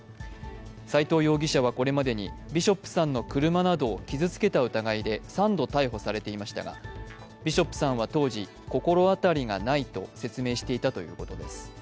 斉藤容疑者はこれまでにビショップさんの車などを傷つけた疑いで３度逮捕されていましたがビショップさんは当時心当たりがないと説明していたということです。